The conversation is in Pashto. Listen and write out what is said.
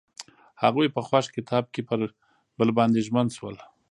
هغوی په خوښ کتاب کې پر بل باندې ژمن شول.